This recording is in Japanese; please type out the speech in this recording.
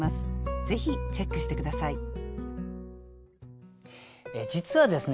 ぜひチェックして下さい実はですね